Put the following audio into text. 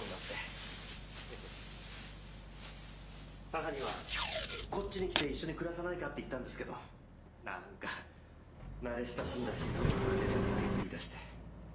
母にはこっちに来て一緒に暮らさないかって言ったんですけど何か慣れ親しんだ静岡から出たくないって言いだして。